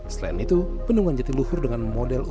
selain itu bendungan jatiluhur dengan model